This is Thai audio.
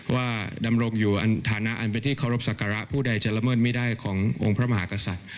ดำรงอยู่อันฐานะอันเป็นที่เคารพสักการะผู้ใดจะละเมิดไม่ได้ขององค์พระมหากษัตริย์